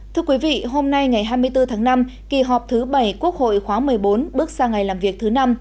thưa quý vị hôm nay ngày hai mươi bốn tháng năm kỳ họp thứ bảy quốc hội khóa một mươi bốn bước sang ngày làm việc thứ năm